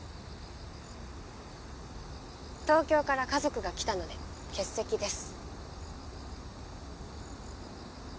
東京から家族が来たので欠席です。